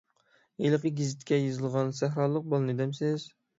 ھېلىقى گېزىتكە يېزىلغان سەھرالىق بالىنى دەمسىز؟